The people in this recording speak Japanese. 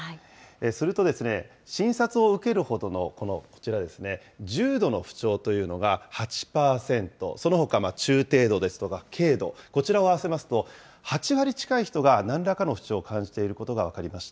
すると、診察を受けるほどのこちらですね、重度の不調というのが８％、そのほか中程度ですとか軽度、こちらを合わせますと、８割近い人が、なんらかの不調を感じていることが分かりました。